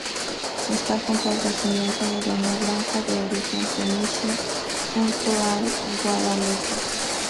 Está junto al Yacimiento de Doña Blanca, de origen fenicio, Junto al Guadalete.